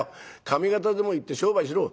上方でも行って商売しろ」。